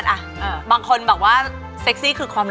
แต่น้องไม่ยอมค่ะ